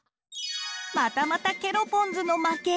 またまたケロポンズの負け。